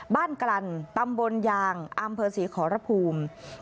บ้านกรรณตำบลยางอำเภอศรีขอระภูมิ